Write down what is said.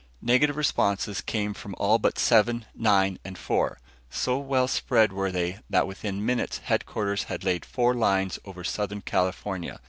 Negative responses came from all but Seven, Nine and Four. So well spread were they, that within minutes headquarters had laid four lines over Southern California.